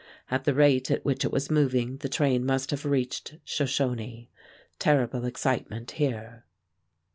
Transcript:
At the rate at which it was moving the train must have reached Shoshone. Terrible excitement here.